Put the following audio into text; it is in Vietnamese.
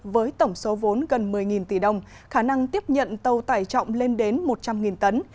với tổng số vốn gần một mươi tỷ đồng khả năng tiếp nhận tàu tải trọng lên đến một trăm linh tấn